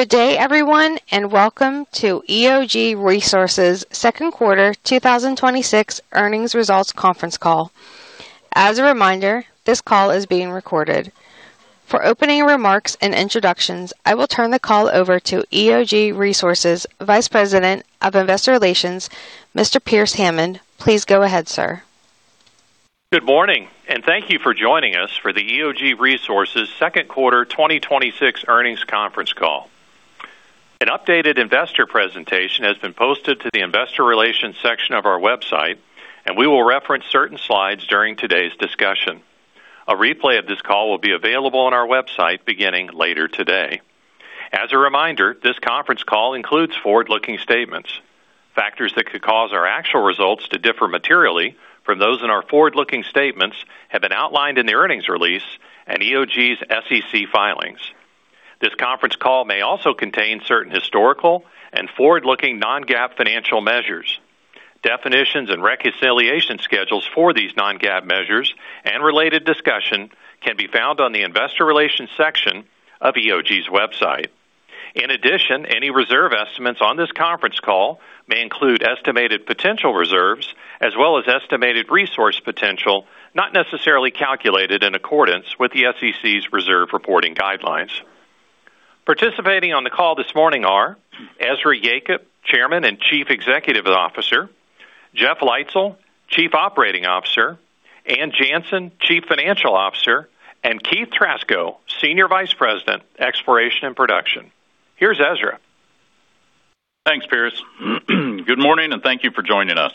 Good day, everyone, and welcome to EOG Resources' second quarter 2026 earnings results conference call. As a reminder, this call is being recorded. For opening remarks and introductions, I will turn the call over to EOG Resources Vice President of Investor Relations, Mr. Pearce Hammond. Please go ahead, sir. Good morning. Thank you for joining us for the EOG Resources second quarter 2026 earnings conference call. An updated investor presentation has been posted to the investor relations section of our website. We will reference certain slides during today's discussion. A replay of this call will be available on our website beginning later today. As a reminder, this conference call includes forward-looking statements. Factors that could cause our actual results to differ materially from those in our forward-looking statements have been outlined in the earnings release and EOG's SEC filings. This conference call may also contain certain historical and forward-looking Non-GAAP financial measures. Definitions and reconciliation schedules for these Non-GAAP measures and related discussion can be found on the investor relations section of EOG's website. In addition, any reserve estimates on this conference call may include estimated potential reserves, as well as estimated resource potential, not necessarily calculated in accordance with the SEC's reserve reporting guidelines. Participating on the call this morning are Ezra Yacob, Chairman and Chief Executive Officer; Jeff Leitzell, Chief Operating Officer; Ann Janssen, Chief Financial Officer; and Keith Trasko, Senior Vice President, Exploration and Production. Here's Ezra. Thanks, Pearce. Good morning. Thank you for joining us.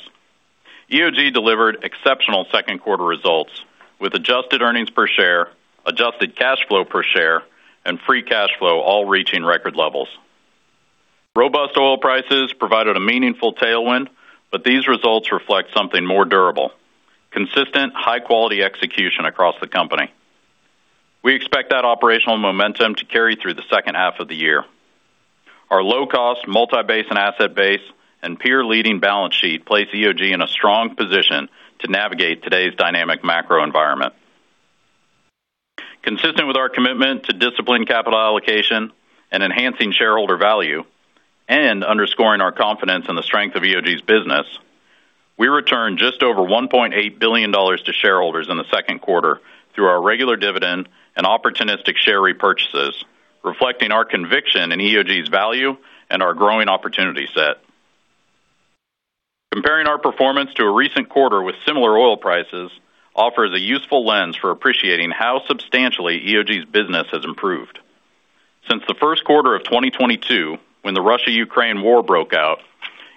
EOG delivered exceptional second quarter results, with adjusted earnings per share, adjusted cash flow per share, and free cash flow all reaching record levels. Robust oil prices provided a meaningful tailwind. These results reflect something more durable: consistent, high-quality execution across the company. We expect that operational momentum to carry through the second half of the year. Our low cost, multi-basin asset base, and peer-leading balance sheet place EOG in a strong position to navigate today's dynamic macro environment. Consistent with our commitment to disciplined capital allocation and enhancing shareholder value, underscoring our confidence in the strength of EOG's business, we returned just over $1.8 billion to shareholders in the second quarter through our regular dividend and opportunistic share repurchases, reflecting our conviction in EOG's value and our growing opportunity set. Comparing our performance to a recent quarter with similar oil prices offers a useful lens for appreciating how substantially EOG's business has improved. Since the first quarter of 2022, when the Russia-Ukraine war broke out,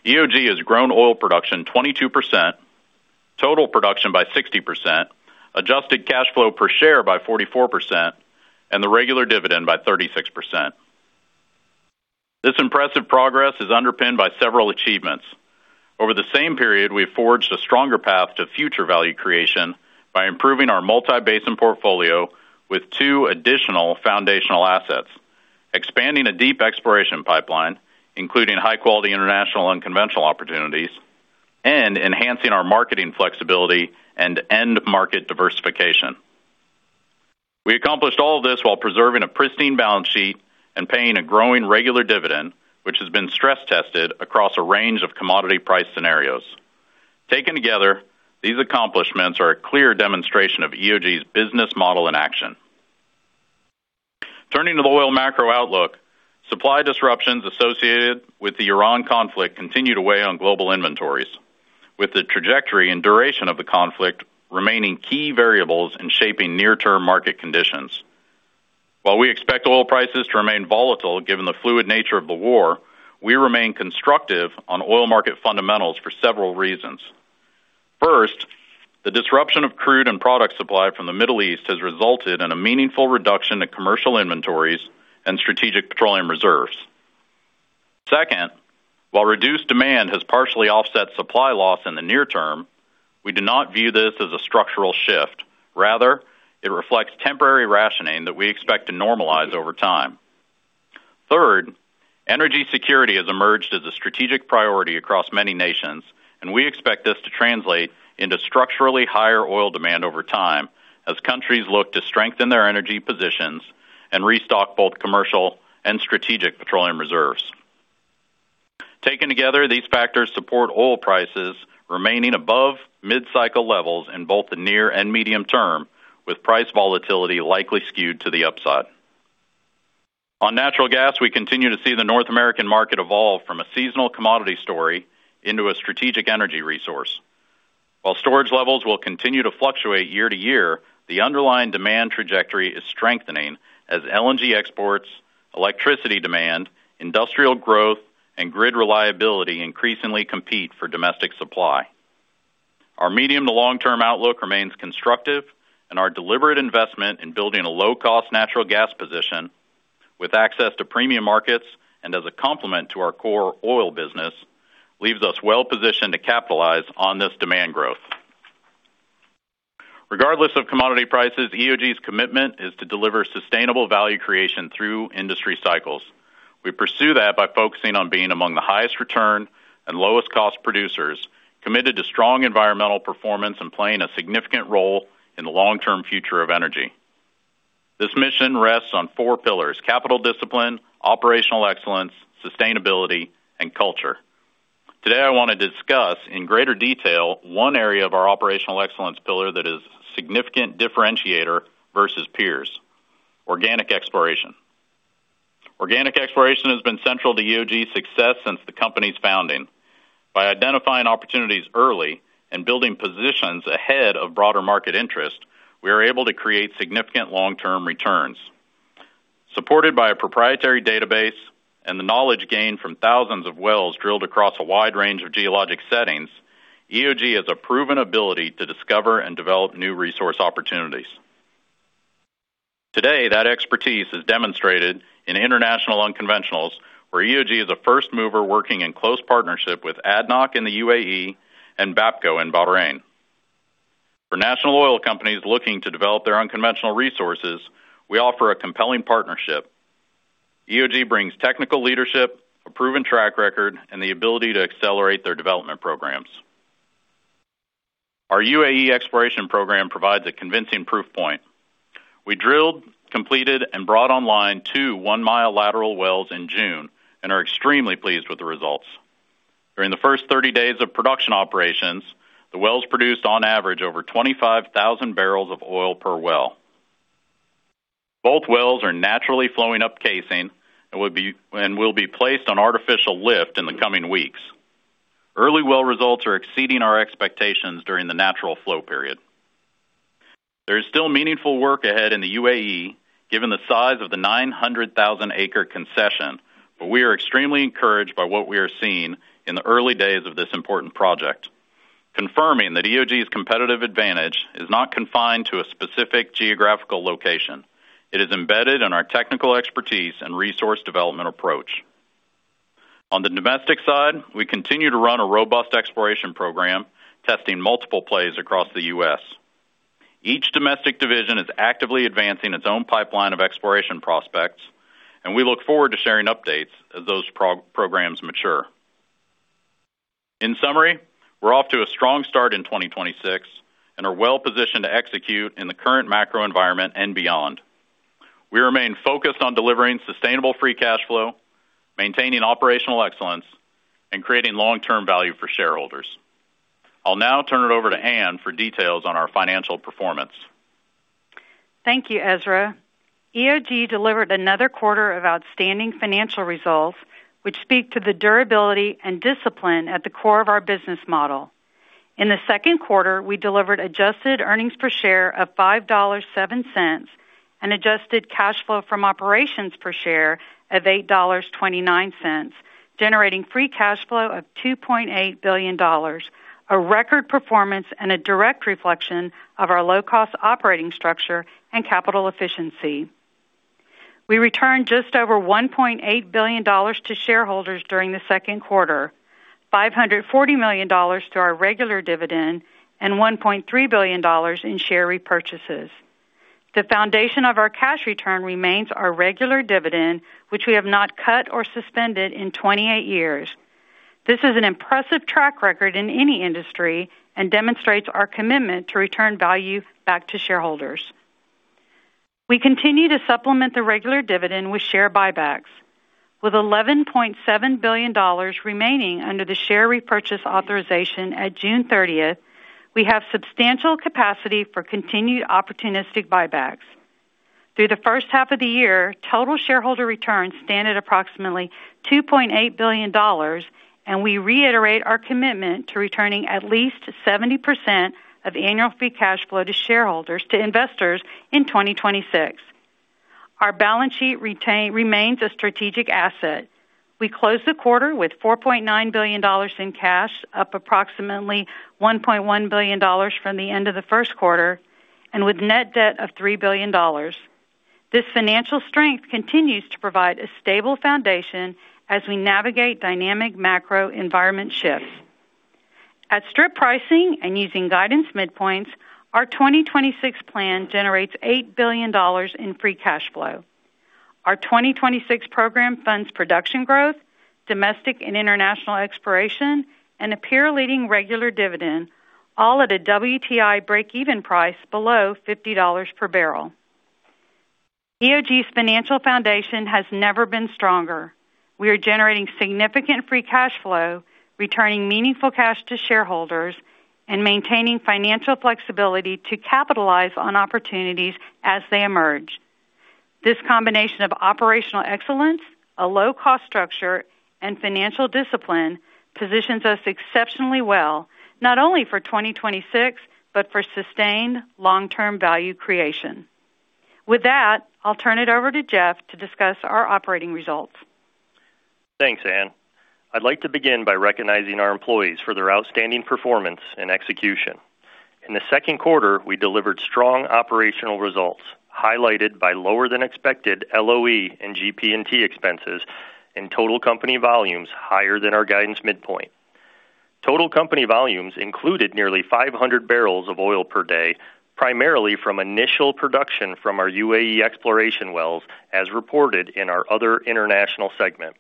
EOG has grown oil production 22%, total production by 60%, adjusted cash flow per share by 44%, and the regular dividend by 36%. This impressive progress is underpinned by several achievements. Over the same period, we have forged a stronger path to future value creation by improving our multi-basin portfolio with two additional foundational assets, expanding a deep exploration pipeline, including high-quality international and conventional opportunities, and enhancing our marketing flexibility and end-market diversification. We accomplished all this while preserving a pristine balance sheet and paying a growing regular dividend, which has been stress-tested across a range of commodity price scenarios. Taken together, these accomplishments are a clear demonstration of EOG's business model in action. Turning to the oil macro outlook, supply disruptions associated with the Iran conflict continue to weigh on global inventories, with the trajectory and duration of the conflict remaining key variables in shaping near-term market conditions. While we expect oil prices to remain volatile given the fluid nature of the war, we remain constructive on oil market fundamentals for several reasons. First, the disruption of crude and product supply from the Middle East has resulted in a meaningful reduction in commercial inventories and strategic petroleum reserves. Second, while reduced demand has partially offset supply loss in the near term, we do not view this as a structural shift. Rather, it reflects temporary rationing that we expect to normalize over time. Third, energy security has emerged as a strategic priority across many nations, and we expect this to translate into structurally higher oil demand over time as countries look to strengthen their energy positions and restock both commercial and strategic petroleum reserves. Taken together, these factors support oil prices remaining above mid-cycle levels in both the near and medium term, with price volatility likely skewed to the upside. On natural gas, we continue to see the North American market evolve from a seasonal commodity story into a strategic energy resource. While storage levels will continue to fluctuate year to year, the underlying demand trajectory is strengthening as LNG exports, electricity demand, industrial growth, and grid reliability increasingly compete for domestic supply. Our medium to long-term outlook remains constructive and our deliberate investment in building a low-cost natural gas position with access to premium markets and as a complement to our core oil business, leaves us well positioned to capitalize on this demand growth. Regardless of commodity prices, EOG's commitment is to deliver sustainable value creation through industry cycles. We pursue that by focusing on being among the highest return and lowest cost producers Committed to strong environmental performance and playing a significant role in the long-term future of energy. This mission rests on four pillars: capital discipline, operational excellence, sustainability, and culture. Today, I want to discuss in greater detail one area of our operational excellence pillar that is a significant differentiator versus peers: organic exploration. Organic exploration has been central to EOG's success since the company's founding. By identifying opportunities early and building positions ahead of broader market interest, we are able to create significant long-term returns. Supported by a proprietary database and the knowledge gained from thousands of wells drilled across a wide range of geologic settings, EOG has a proven ability to discover and develop new resource opportunities. Today, that expertise is demonstrated in international unconventionals, where EOG is a first mover working in close partnership with ADNOC in the UAE and Bapco in Bahrain. For National Oil Companies looking to develop their unconventional resources, we offer a compelling partnership. EOG brings technical leadership, a proven track record, and the ability to accelerate their development programs. Our UAE exploration program provides a convincing proof point. We drilled, completed, and brought online two 1-mi lateral wells in June and are extremely pleased with the results. During the first 30 days of production operations, the wells produced on average over 25,000 barrels of oil per well. Both wells are naturally flowing up casing and will be placed on artificial lift in the coming weeks. Early well results are exceeding our expectations during the natural flow period. There is still meaningful work ahead in the UAE, given the size of the 900,000-acre concession, but we are extremely encouraged by what we are seeing in the early days of this important project, confirming that EOG's competitive advantage is not confined to a specific geographical location. It is embedded in our technical expertise and resource development approach. On the domestic side, we continue to run a robust exploration program, testing multiple plays across the U.S. Each domestic division is actively advancing its own pipeline of exploration prospects, and we look forward to sharing updates as those programs mature. In summary, we're off to a strong start in 2026 and are well-positioned to execute in the current macro environment and beyond. We remain focused on delivering sustainable free cash flow, maintaining operational excellence, and creating long-term value for shareholders. I'll now turn it over to Ann for details on our financial performance. Thank you, Ezra. EOG delivered another quarter of outstanding financial results, which speak to the durability and discipline at the core of our business model. In the second quarter, we delivered adjusted earnings per share of $5.7 and adjusted cash flow from operations per share of $8.29, generating free cash flow of $2.8 billion, a record performance and a direct reflection of our low-cost operating structure and capital efficiency. We returned just over $1.8 billion to shareholders during the second quarter, $540 million to our regular dividend and $1.3 billion in share repurchases. The foundation of our cash return remains our regular dividend, which we have not cut or suspended in 28 years. This is an impressive track record in any industry and demonstrates our commitment to return value back to shareholders. We continue to supplement the regular dividend with share buybacks. With $11.7 billion remaining under the share repurchase authorization at June 30th, we have substantial capacity for continued opportunistic buybacks. Through the first half of the year, total shareholder returns stand at approximately $2.8 billion, and we reiterate our commitment to returning at least 70% of annual free cash flow to investors in 2026. Our balance sheet remains a strategic asset. We closed the quarter with $4.9 billion in cash, up approximately $1.1 billion from the end of the first quarter, and with net debt of $3 billion. This financial strength continues to provide a stable foundation as we navigate dynamic macro environment shifts. At strip pricing and using guidance midpoints, our 2026 plan generates $8 billion in free cash flow. Our 2026 program funds production growth, domestic and international exploration, and a peer-leading regular dividend, all at a WTI breakeven price below $50 per barrel. EOG's financial foundation has never been stronger. We are generating significant free cash flow, returning meaningful cash to shareholders, and maintaining financial flexibility to capitalize on opportunities as they emerge. This combination of operational excellence, a low-cost structure, and financial discipline positions us exceptionally well not only for 2026 but for sustained long-term value creation. With that, I'll turn it over to Jeff to discuss our operating results. Thanks, Ann. I'd like to begin by recognizing our employees for their outstanding performance and execution. In the second quarter, we delivered strong operational results, highlighted by lower than expected LOE and GP&T expenses and total company volumes higher than our guidance midpoint. Total company volumes included nearly 500 barrels of oil per day, primarily from initial production from our UAE exploration wells, as reported in our other international segment.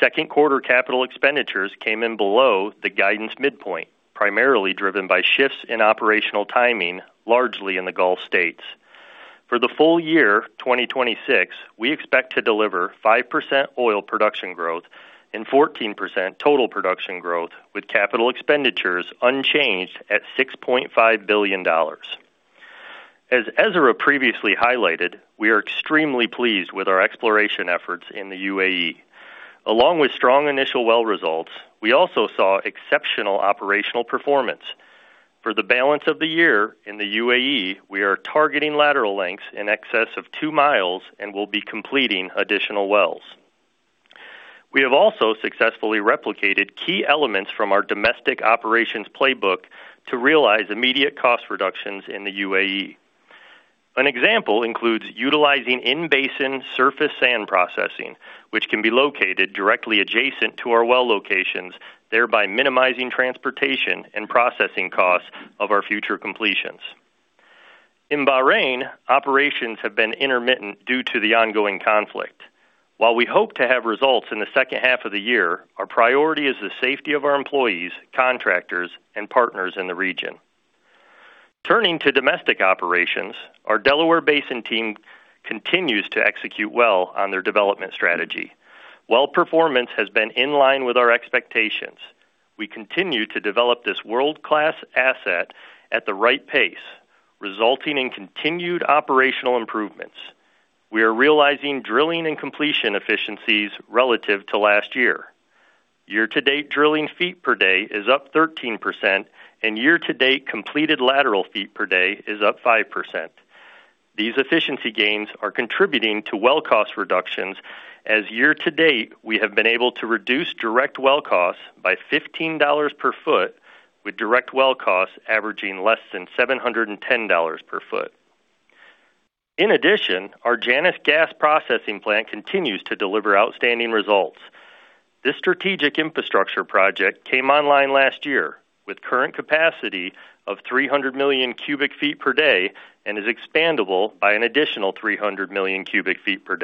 Second quarter capital expenditures came in below the guidance midpoint, primarily driven by shifts in operational timing, largely in the Gulf States. For the full year 2026, we expect to deliver 5% oil production growth and 14% total production growth, with capital expenditures unchanged at $6.5 billion. As Ezra previously highlighted, we are extremely pleased with our exploration efforts in the UAE. Along with strong initial well results, we also saw exceptional operational performance. For the balance of the year in the UAE, we are targeting lateral lengths in excess of 2 mi and will be completing additional wells. We have also successfully replicated key elements from our domestic operations playbook to realize immediate cost reductions in the UAE. An example includes utilizing in-basin surface sand processing, which can be located directly adjacent to our well locations, thereby minimizing transportation and processing costs of our future completions. In Bahrain, operations have been intermittent due to the ongoing conflict. While we hope to have results in the second half of the year, our priority is the safety of our employees, contractors, and partners in the region. Turning to domestic operations, our Delaware Basin team continues to execute well on their development strategy. Well performance has been in line with our expectations. We continue to develop this world-class asset at the right pace, resulting in continued operational improvements. We are realizing drilling and completion efficiencies relative to last year. Year-to-date drilling feet per day is up 13%, and year-to-date completed lateral feet per day is up 5%. These efficiency gains are contributing to well cost reductions as year-to-date, we have been able to reduce direct well costs by $15 per ft, with direct well costs averaging less than $710 per ft. In addition, our Janus Gas Processing Plant continues to deliver outstanding results. This strategic infrastructure project came online last year with current capacity of 300 million cu ft per day and is expandable by an additional 300 million cu ft per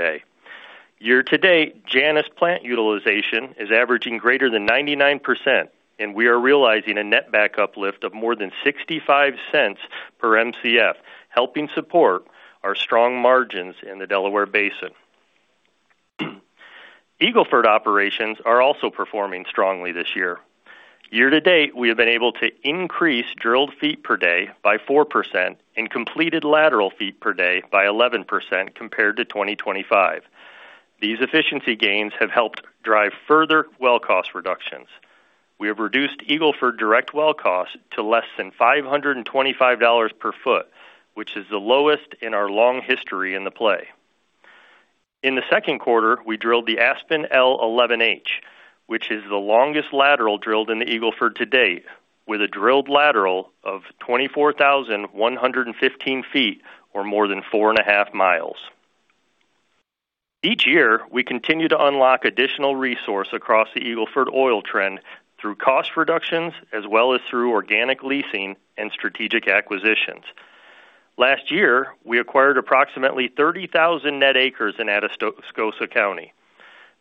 day. Year-to-date, Janus plant utilization is averaging greater than 99%, and we are realizing a net back uplift of more than $0.65 per Mcf, helping support our strong margins in the Delaware Basin. Eagle Ford operations are also performing strongly this year. Year-to-date, we have been able to increase drilled feet per day by 4% and completed lateral feet per day by 11% compared to 2025. These efficiency gains have helped drive further well cost reductions. We have reduced Eagle Ford direct well cost to less than $525 per ft, which is the lowest in our long history in the play. In the second quarter, we drilled the Aspen L11H, which is the longest lateral drilled in the Eagle Ford to date, with a drilled lateral of 24,115 ft or more than 4.5 mi. Each year, we continue to unlock additional resource across the Eagle Ford oil trend through cost reductions as well as through organic leasing and strategic acquisitions. Last year, we acquired approximately 30,000 net acres in Atascosa County.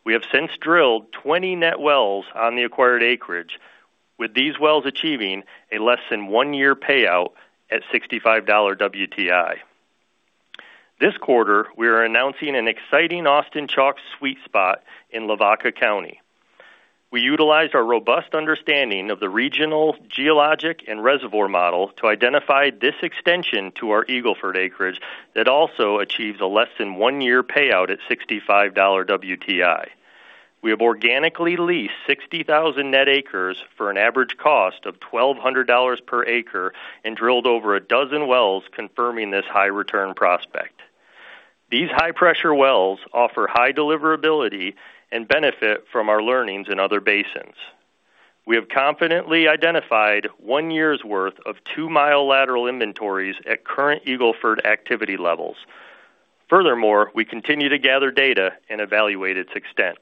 We have since drilled 20 net wells on the acquired acreage, with these wells achieving a less than one-year payout at $65 WTI. This quarter, we are announcing an exciting Austin Chalk sweet spot in Lavaca County. We utilized our robust understanding of the regional geologic and reservoir model to identify this extension to our Eagle Ford acreage that also achieves a less than one-year payout at $65 WTI. We have organically leased 60,000 net acres for an average cost of $1,200 per acre and drilled over a dozen wells confirming this high return prospect. These high-pressure wells offer high deliverability and benefit from our learnings in other basins. We have confidently identified one year's worth of 2 mi lateral inventories at current Eagle Ford activity levels. Furthermore, we continue to gather data and evaluate its extent.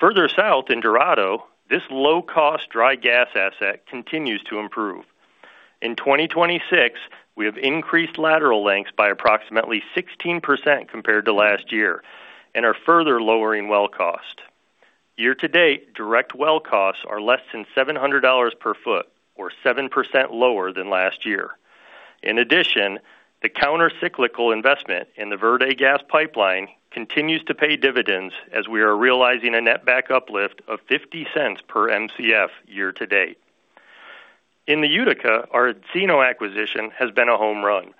Further south in Dorado, this low-cost dry gas asset continues to improve. In 2026, we have increased lateral lengths by approximately 16% compared to last year and are further lowering well cost. Year-to-date, direct well costs are less than $700 per ft or 7% lower than last year. In addition, the counter-cyclical investment in the Verde gas pipeline continues to pay dividends as we are realizing a net back uplift of $0.50 per Mcf year-to-date. In the Utica, our Encino acquisition has been a home run.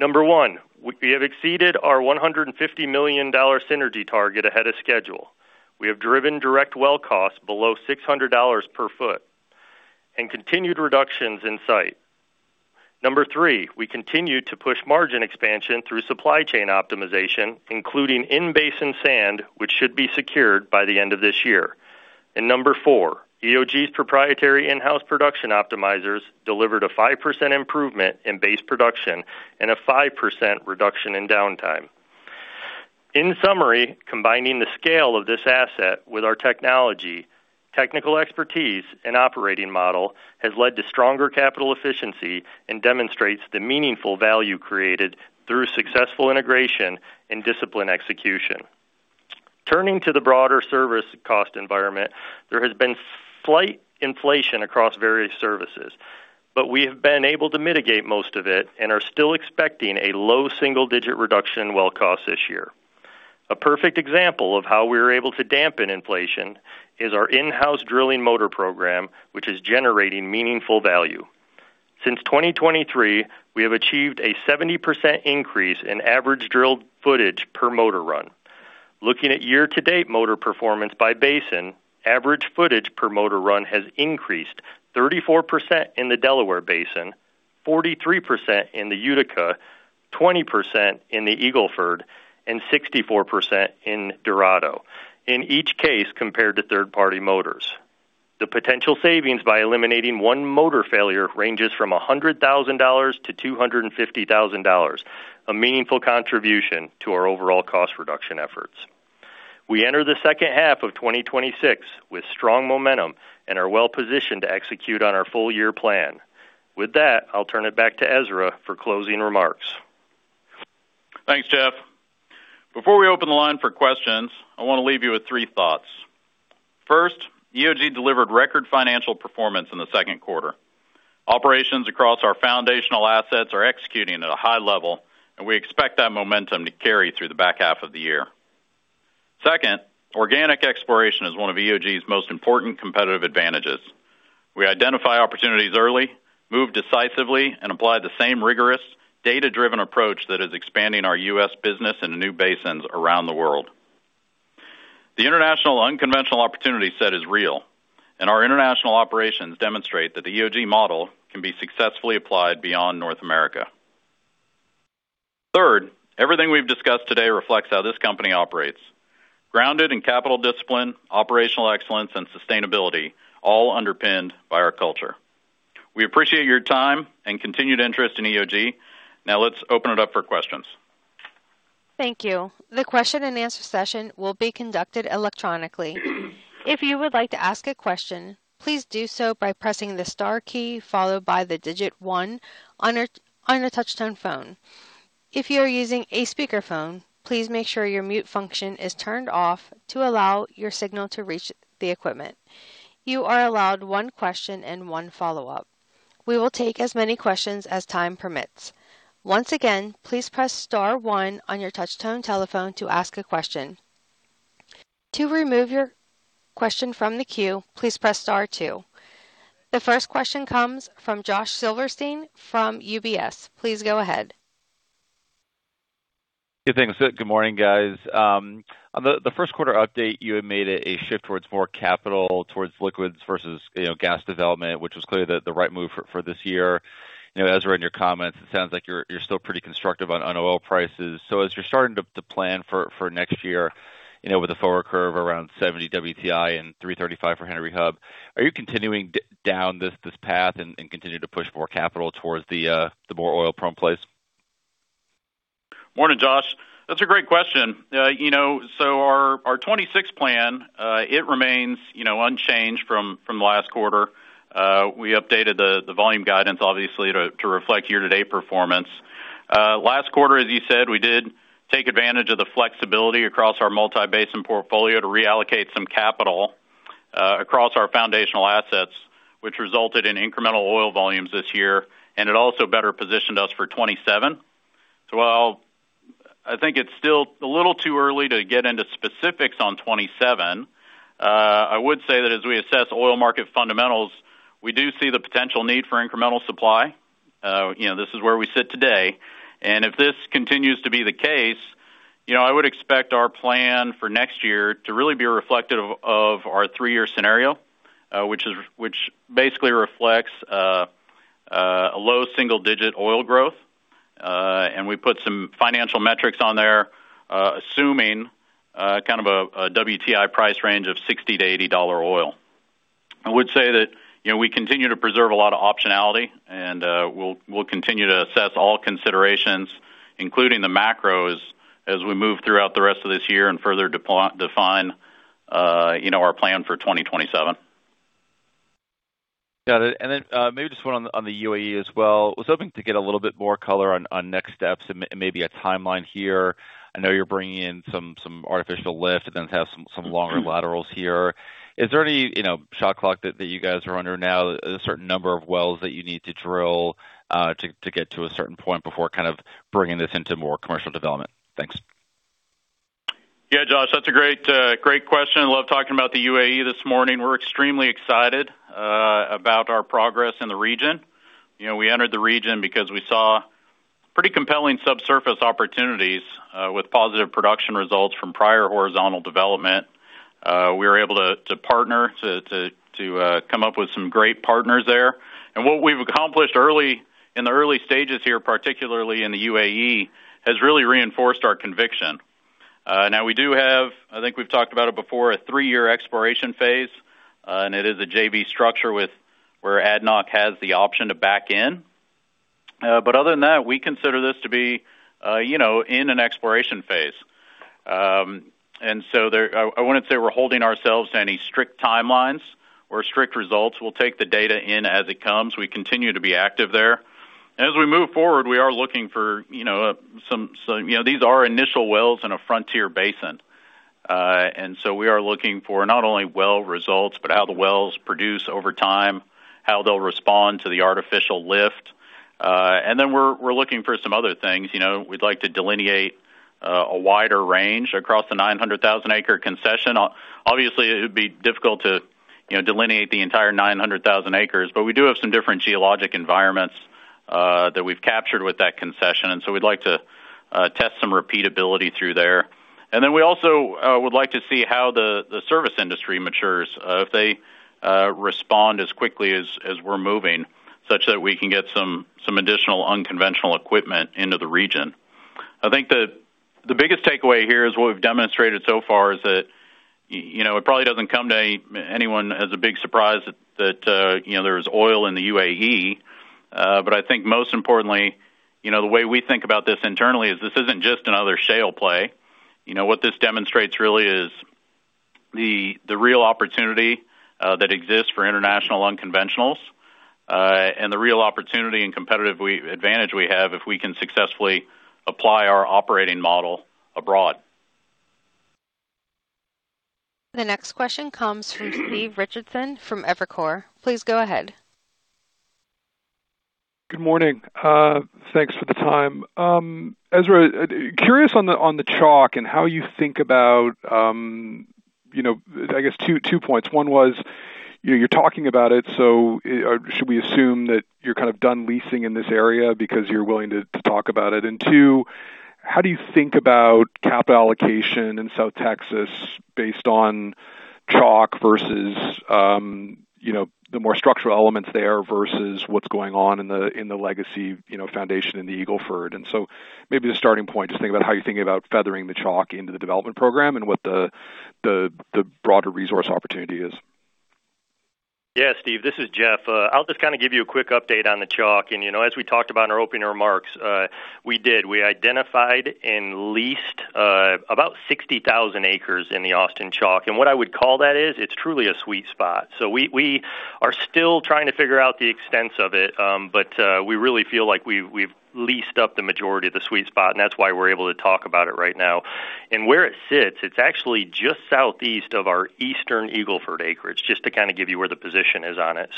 Number one, we have exceeded our $150 million synergy target ahead of schedule. We have driven direct well costs below $600 per foot and continued reductions in sight. Number three, we continue to push margin expansion through supply chain optimization, including in-basin sand, which should be secured by the end of this year. Number four, EOG's proprietary in-house production optimizers delivered a 5% improvement in base production and a 5% reduction in downtime. In summary, combining the scale of this asset with our technology, technical expertise, and operating model has led to stronger capital efficiency and demonstrates the meaningful value created through successful integration and disciplined execution. Turning to the broader service cost environment, there has been slight inflation across various services, but we have been able to mitigate most of it and are still expecting a low single-digit reduction in well cost this year. A perfect example of how we are able to dampen inflation is our in-house drilling motor program, which is generating meaningful value. Since 2023, we have achieved a 70% increase in average drilled footage per motor run. Looking at year-to-date motor performance by basin, average footage per motor run has increased 34% in the Delaware Basin, 43% in the Utica, 20% in the Eagle Ford, and 64% in Dorado. In each case, compared to third-party motors. The potential savings by eliminating one motor failure ranges from $100,000-$250,000, a meaningful contribution to our overall cost reduction efforts. We enter the second half of 2026 with strong momentum and are well-positioned to execute on our full-year plan. With that, I'll turn it back to Ezra for closing remarks. Thanks, Jeff. Before we open the line for questions, I want to leave you with three thoughts. First, EOG delivered record financial performance in the second quarter. Operations across our foundational assets are executing at a high level, and we expect that momentum to carry through the back half of the year. Second, organic exploration is one of EOG's most important competitive advantages. We identify opportunities early, move decisively, and apply the same rigorous, data-driven approach that is expanding our U.S. business into new basins around the world. The international unconventional opportunity set is real, and our international operations demonstrate that the EOG model can be successfully applied beyond North America. Third, everything we've discussed today reflects how this company operates. Grounded in capital discipline, operational excellence, and sustainability, all underpinned by our culture. We appreciate your time and continued interest in EOG. Now let's open it up for questions. Thank you. The question and answer session will be conducted electronically. If you would like to ask a question, please do so by pressing the star key followed by the digit one on a touch-tone phone. If you are using a speakerphone, please make sure your mute function is turned off to allow your signal to reach the equipment. You are allowed one question and one follow-up. We will take as many questions as time permits. Once again, please press star one on your touch-tone telephone to ask a question. To remove your question from the queue, please press star two. The first question comes from Josh Silverstein from UBS. Please go ahead. Good. Thanks. Good morning, guys. On the first quarter update, you had made a shift towards more capital towards liquids versus gas development, which was clearly the right move for this year. Ezra, in your comments, it sounds like you're still pretty constructive on oil prices. As you're starting to plan for next year with a forward curve around $70 WTI and $3.35 for Henry Hub, are you continuing down this path and continue to push more capital towards the more oil-prone place? Morning, Josh. That's a great question. Our 2026 plan, it remains unchanged from last quarter. We updated the volume guidance obviously to reflect year-to-date performance. Last quarter, as you said, we did take advantage of the flexibility across our multi-basin portfolio to reallocate some capital across our foundational assets, which resulted in incremental oil volumes this year, and it also better positioned us for 2027. While I think it's still a little too early to get into specifics on 2027, I would say that as we assess oil market fundamentals, we do see the potential need for incremental supply. This is where we sit today. If this continues to be the case, I would expect our plan for next year to really be reflective of our three-year scenario, which basically reflects a low single-digit oil growth. We put some financial metrics on there, assuming a WTI price range of $60-$80 oil. I would say that we continue to preserve a lot of optionality, and we'll continue to assess all considerations, including the macros, as we move throughout the rest of this year and further define our plan for 2027. Yeah. Maybe just one on the UAE as well. I was hoping to get a little bit more color on next steps and maybe a timeline here. I know you're bringing in some artificial lift, have some longer laterals here. Is there any shot clock that you guys are under now? Is there a certain number of wells that you need to drill to get to a certain point before bringing this into more commercial development? Thanks. Yeah, Josh, that's a great question. Love talking about the UAE this morning. We're extremely excited about our progress in the region. We entered the region because we saw pretty compelling subsurface opportunities with positive production results from prior horizontal development. We were able to come up with some great partners there. What we've accomplished in the early stages here, particularly in the UAE, has really reinforced our conviction. Now we do have, I think we've talked about it before, a three-year exploration phase, it is a JV structure where ADNOC has the option to back in. Other than that, we consider this to be in an exploration phase. I wouldn't say we're holding ourselves to any strict timelines or strict results. We'll take the data in as it comes. We continue to be active there. As we move forward, we are looking for some. These are initial wells in a frontier basin. We are looking for not only well results, but how the wells produce over time, how they'll respond to the artificial lift. We're looking for some other things. We'd like to delineate a wider range across the 900,000-acre concession. Obviously, it would be difficult to delineate the entire 900,000 acres, we do have some different geologic environments that we've captured with that concession, we'd like to test some repeatability through there. We also would like to see how the service industry matures, if they respond as quickly as we're moving, such that we can get some additional unconventional equipment into the region. I think the biggest takeaway here is what we've demonstrated so far is that it probably doesn't come to anyone as a big surprise that there is oil in the UAE. I think most importantly, the way we think about this internally is this isn't just another shale play. What this demonstrates really is the real opportunity that exists for international unconventionals, and the real opportunity and competitive advantage we have if we can successfully apply our operating model abroad. The next question comes from Stephen Richardson from Evercore ISI. Please go ahead. Good morning. Thanks for the time. Ezra, curious on the Chalk and how you think about, I guess, two points. One was, you are talking about it, so should we assume that you are done leasing in this area because you are willing to talk about it? Two, how do you think about capital allocation in South Texas based on Chalk versus the more structural elements there versus what is going on in the legacy foundation in the Eagle Ford? Maybe the starting point, just think about how you are thinking about feathering the Chalk into the development program and what the broader resource opportunity is. Yeah, Steve, this is Jeff. I will just give you a quick update on the Chalk. As we talked about in our opening remarks, we did. We identified and leased about 60,000 acres in the Austin Chalk. What I would call that is, it is truly a sweet spot. We are still trying to figure out the extent of it, but we really feel like we have leased up the majority of the sweet spot, and that is why we are able to talk about it right now. Where it sits, it is actually just southeast of our eastern Eagle Ford acreage, just to give you where the position is on it.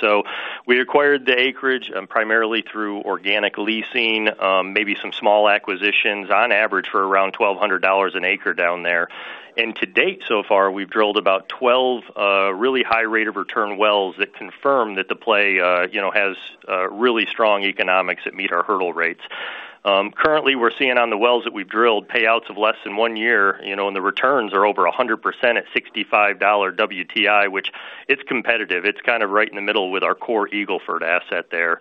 We acquired the acreage primarily through organic leasing, maybe some small acquisitions, on average for around $1,200 an acre down there. To date, so far, we have drilled about 12 really high rate of return wells that confirm that the play has really strong economics that meet our hurdle rates. Currently, we are seeing on the wells that we have drilled payouts of less than one year, and the returns are over 100% at $65 WTI, which it is competitive. It is right in the middle with our core Eagle Ford asset there.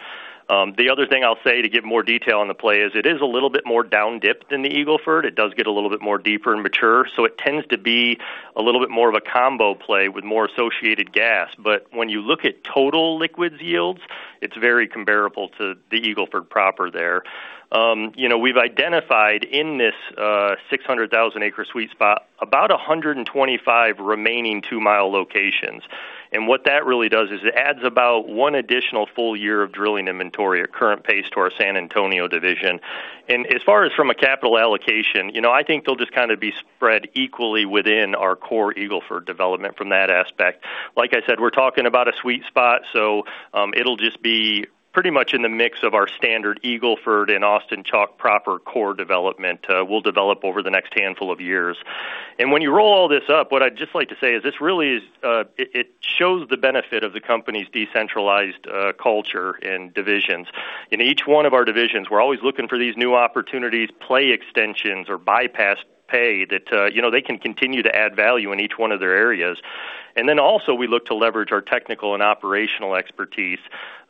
The other thing I will say to give more detail on the play is it is a little bit more down dipped than the Eagle Ford. It does get a little bit deeper and mature. It tends to be a little bit more of a combo play with more associated gas. When you look at total liquids yields, it is very comparable to the Eagle Ford proper there. We have identified in this 600,000-acre sweet spot, about 125 remaining 2-mi locations. What that really does is it adds about one additional full year of drilling inventory at current pace to our San Antonio division. As far as from a capital allocation, I think they'll just be spread equally within our core Eagle Ford development from that aspect. Like I said, we're talking about a sweet spot, so it'll just be pretty much in the mix of our standard Eagle Ford and Austin Chalk proper core development we'll develop over the next handful of years. When you roll all this up, what I'd just like to say is this really shows the benefit of the company's decentralized culture and divisions. In each one of our divisions, we're always looking for these new opportunities, play extensions, or bypass pay that they can continue to add value in each one of their areas. Also we look to leverage our technical and operational expertise.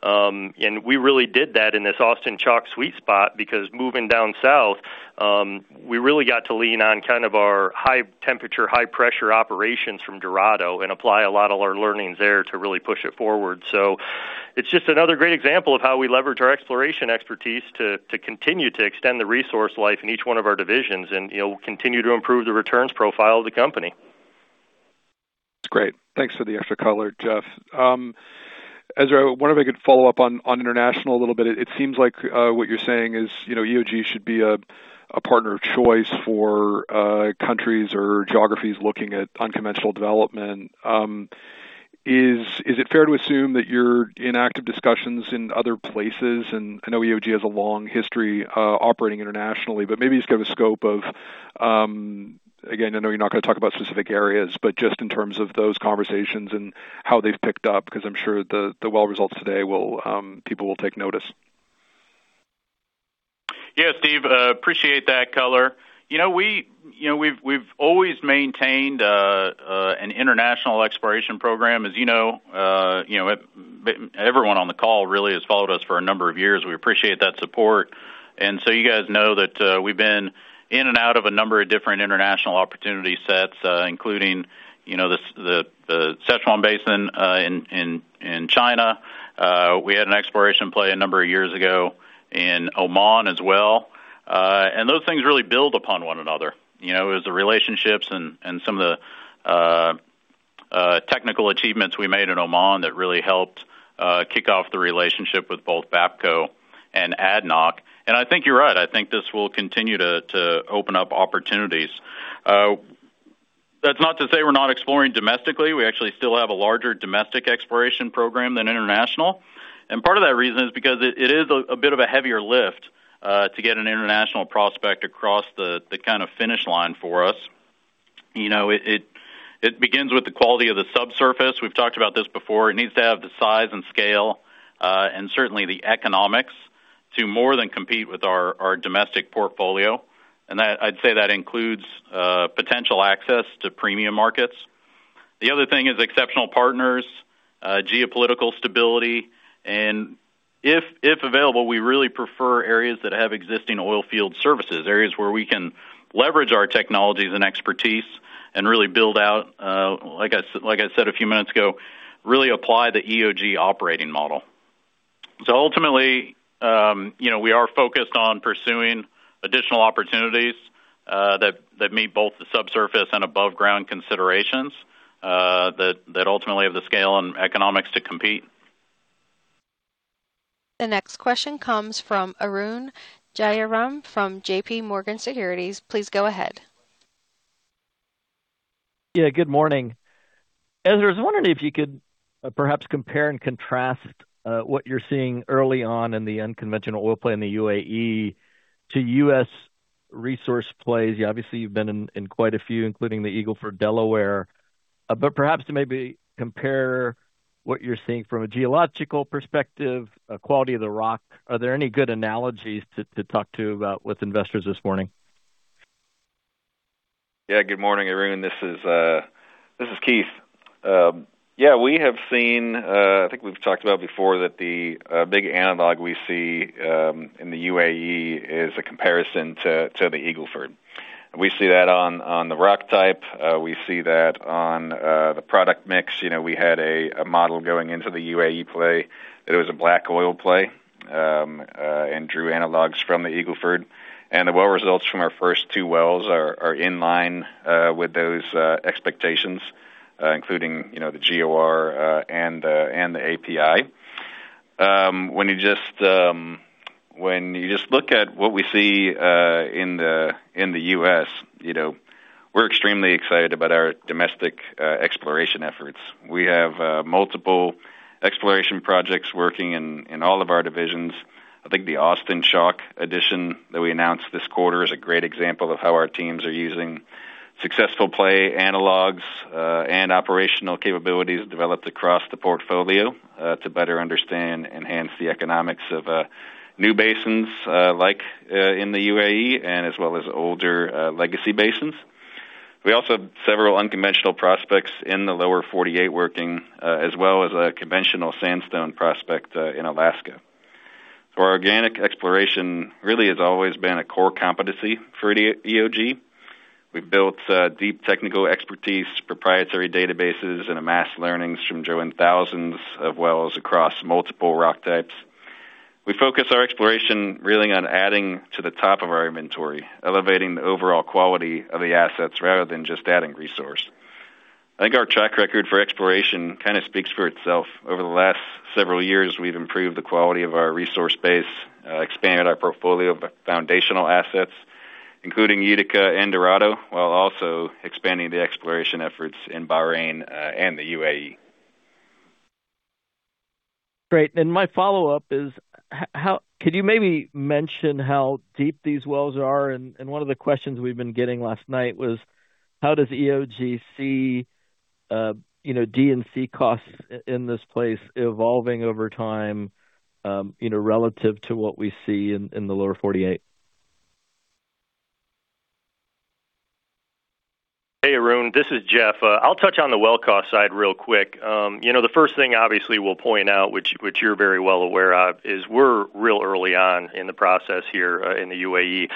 We really did that in this Austin Chalk sweet spot because moving down south, we really got to lean on our high temperature, high pressure operations from Dorado and apply a lot of our learnings there to really push it forward. It's just another great example of how we leverage our exploration expertise to continue to extend the resource life in each one of our divisions and continue to improve the returns profile of the company. That's great. Thanks for the extra color, Jeff. Ezra, I wonder if I could follow up on international a little bit. It seems like what you're saying is EOG should be a partner of choice for countries or geographies looking at unconventional development. Is it fair to assume that you're in active discussions in other places? I know EOG has a long history operating internationally, but maybe just give a scope of, again, I know you're not going to talk about specific areas, but just in terms of those conversations and how they've picked up, because I'm sure the well results today, people will take notice. Yeah, Steve, appreciate that color. We've always maintained an international exploration program, as you know. Everyone on the call really has followed us for a number of years. We appreciate that support. You guys know that we've been in and out of a number of different international opportunity sets, including the Sichuan Basin in China. We had an exploration play a number of years ago in Oman as well. Those things really build upon one another. It was the relationships and some of the technical achievements we made in Oman that really helped kick off the relationship with both Bapco and ADNOC. I think you're right. I think this will continue to open up opportunities. That's not to say we're not exploring domestically. We actually still have a larger domestic exploration program than international. Part of that reason is because it is a bit of a heavier lift to get an international prospect across the finish line for us. It begins with the quality of the subsurface. We've talked about this before. It needs to have the size and scale, and certainly the economics to more than compete with our domestic portfolio. I'd say that includes potential access to premium markets. The other thing is exceptional partners, geopolitical stability, and if available, we really prefer areas that have existing oil field services, areas where we can leverage our technologies and expertise and really build out, like I said a few minutes ago, really apply the EOG operating model. Ultimately, we are focused on pursuing additional opportunities that meet both the subsurface and above ground considerations that ultimately have the scale and economics to compete. The next question comes from Arun Jayaram from JPMorgan Securities. Please go ahead. Good morning. Ezra, I was wondering if you could perhaps compare and contrast what you're seeing early on in the unconventional oil play in the UAE to U.S. resource plays. Obviously, you've been in quite a few, including the Eagle Ford Delaware, but perhaps to maybe compare what you're seeing from a geological perspective, quality of the rock. Are there any good analogies to talk to about with investors this morning? Good morning, everyone. This is Keith. We have seen, I think we've talked about before that the big analog we see in the UAE is a comparison to the Eagle Ford. We see that on the rock type. We see that on the product mix. We had a model going into the UAE play that it was a black oil play, and drew analogs from the Eagle Ford. The well results from our first two wells are in line with those expectations, including the GOR and the API. When you just look at what we see in the U.S., we're extremely excited about our domestic exploration efforts. We have multiple exploration projects working in all of our divisions. I think the Austin Chalk edition that we announced this quarter is a great example of how our teams are using successful play analogs and operational capabilities developed across the portfolio to better understand, enhance the economics of new basins like in the UAE and as well as older legacy basins. We also have several unconventional prospects in the Lower 48 working, as well as a conventional sandstone prospect in Alaska. Organic exploration really has always been a core competency for EOG. We've built deep technical expertise, proprietary databases, and amassed learnings from drilling thousands of wells across multiple rock types. We focus our exploration really on adding to the top of our inventory, elevating the overall quality of the assets rather than just adding resource. I think our track record for exploration speaks for itself. Over the last several years, we've improved the quality of our resource base, expanded our portfolio foundational assets, including Utica and Dorado, while also expanding the exploration efforts in Bahrain and the UAE. Great. My follow-up is, could you maybe mention how deep these wells are? One of the questions we've been getting last night was, how does EOG see D and C costs in this place evolving over time relative to what we see in the Lower 48? Hey, Arun, this is Jeff. I'll touch on the well cost side real quick. The first thing obviously we'll point out, which you're very well aware of, is we're real early on in the process here in the UAE.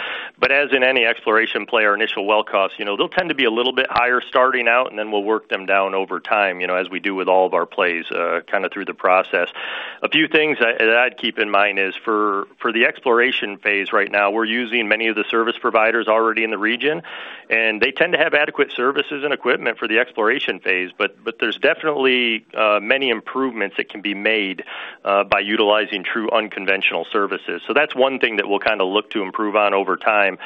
As in any exploration play, our initial well costs, they'll tend to be a little bit higher starting out, and then we'll work them down over time, as we do with all of our plays through the process. A few things that I'd keep in mind is for the exploration phase right now, we're using many of the service providers already in the region, and they tend to have adequate services and equipment for the exploration phase. There's definitely many improvements that can be made by utilizing true unconventional services. That's one thing that we'll look to improve on over time.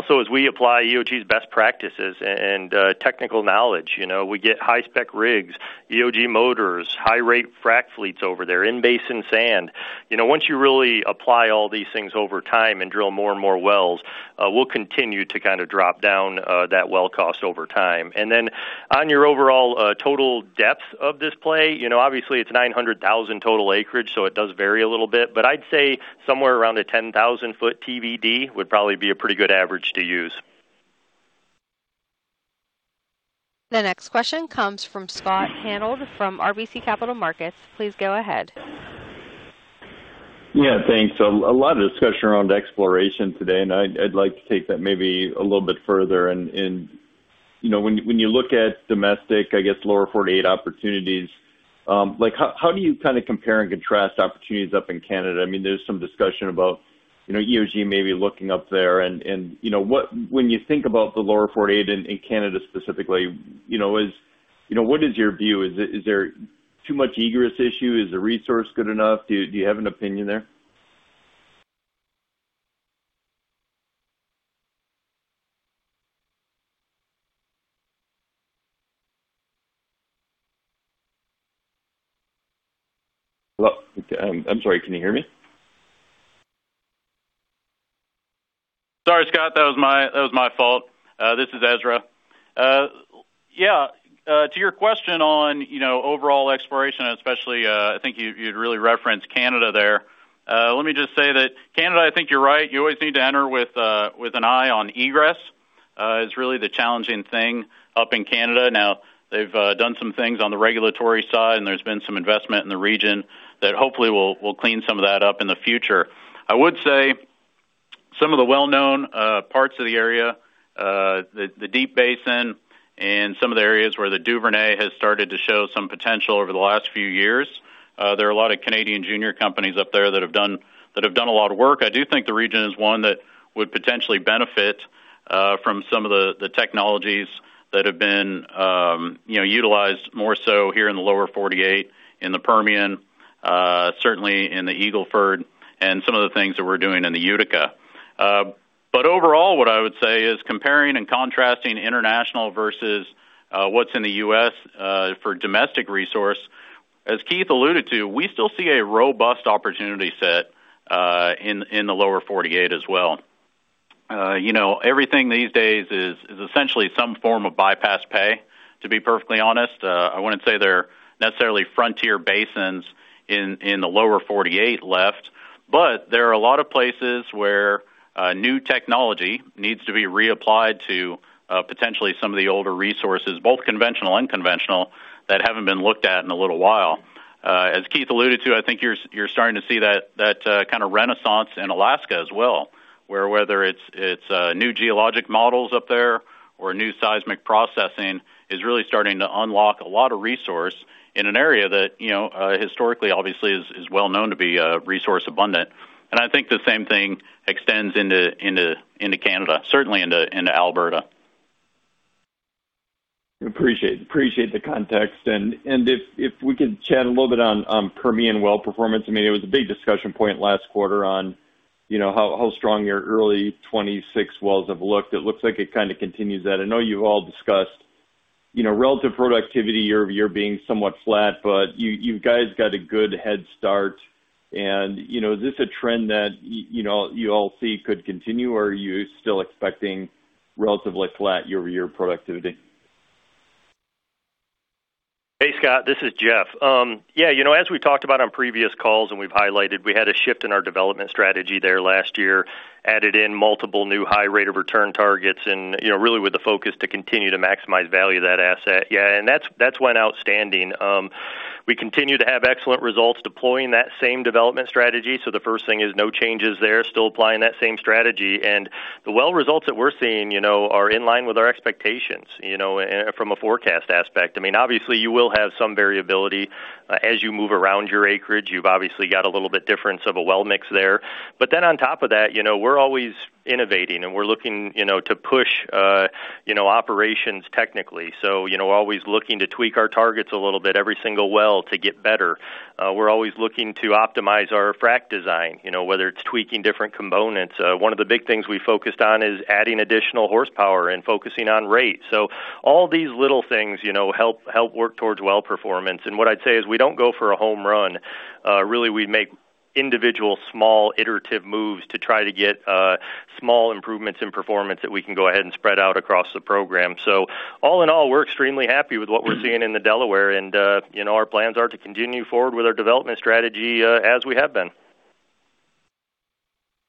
Also as we apply EOG's best practices and technical knowledge. We get high-spec rigs, EOG Motors, high-rate frack fleets over there, in-basin sand. Once you really apply all these things over time and drill more and more wells, we'll continue to drop down that well cost over time. On your overall total depth of this play, obviously it's 900,000 total acreage, so it does vary a little bit. I'd say somewhere around a 10,000-ft TVD would probably be a pretty good average to use. The next question comes from Scott Hanold from RBC Capital Markets. Please go ahead. Yeah, thanks. A lot of discussion around exploration today, and I'd like to take that maybe a little bit further. When you look at domestic, I guess, Lower 48 opportunities, how do you compare and contrast opportunities up in Canada? There's some discussion about EOG maybe looking up there. When you think about the Lower 48 in Canada specifically, what is your view? Is there too much egress issue? Is the resource good enough? Do you have an opinion there? Hello? I'm sorry, can you hear me? Sorry, Scott, that was my fault. This is Ezra. To your question on overall exploration, especially, I think you'd really referenced Canada there. Let me just say that Canada, I think you're right. You always need to enter with an eye on egress. It's really the challenging thing up in Canada. Now they've done some things on the regulatory side, and there's been some investment in the region that hopefully will clean some of that up in the future. I would say some of the well-known parts of the area, the Deep Basin, and some of the areas where the Duvernay has started to show some potential over the last few years. There are a lot of Canadian junior companies up there that have done a lot of work. I do think the region is one that would potentially benefit from some of the technologies that have been utilized more so here in the Lower 48, in the Permian, certainly in the Eagle Ford, and some of the things that we're doing in the Utica. Overall, what I would say is comparing and contrasting international versus what's in the U.S. for domestic resource, as Keith alluded to, we still see a robust opportunity set in the Lower 48 as well. Everything these days is essentially some form of bypass pay, to be perfectly honest. I wouldn't say they're necessarily frontier basins in the Lower 48 left, but there are a lot of places where new technology needs to be reapplied to potentially some of the older resources, both conventional and unconventional, that haven't been looked at in a little while. As Keith alluded to, I think you're starting to see that kind of renaissance in Alaska as well, where whether it's new geologic models up there or new seismic processing, is really starting to unlock a lot of resource in an area that historically, obviously, is well known to be resource abundant. I think the same thing extends into Canada, certainly into Alberta. Appreciate the context. If we could chat a little bit on Permian well performance. It was a big discussion point last quarter on how strong your early 2026 wells have looked. It looks like it continues that. I know you've all discussed relative productivity year-over-year being somewhat flat, you guys got a good head start. Is this a trend that you all see could continue, or are you still expecting relatively flat year-over-year productivity? Hey, Scott. This is Jeff. As we talked about on previous calls and we've highlighted, we had a shift in our development strategy there last year, added in multiple new high rate of return targets, and really with the focus to continue to maximize value of that asset. That's went outstanding. We continue to have excellent results deploying that same development strategy. The first thing is no changes there, still applying that same strategy. The well results that we're seeing are in line with our expectations from a forecast aspect. Obviously, you will have some variability as you move around your acreage. You've obviously got a little bit difference of a well mix there. On top of that, we're always innovating, and we're looking to push operations technically. Always looking to tweak our targets a little bit, every single well to get better. We're always looking to optimize our frack design, whether it's tweaking different components. One of the big things we focused on is adding additional horsepower and focusing on rate. All these little things help work towards well performance. What I'd say is we don't go for a home run. Really, we make individual small iterative moves to try to get small improvements in performance that we can go ahead and spread out across the program. All in all, we're extremely happy with what we're seeing in the Delaware, and our plans are to continue forward with our development strategy as we have been.